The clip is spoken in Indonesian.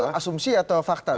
itu asumsi atau fakta